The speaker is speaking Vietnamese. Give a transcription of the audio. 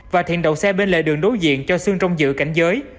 và thiện đậu xe bên lề đường đối diện cho sương trong dự cảnh giới